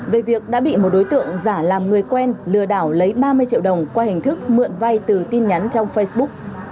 về việc đã bị một đối tượng giả làm người quen lừa đảo lấy ba mươi triệu đồng qua hình thức mượn vai từ tin nhắn trong facebook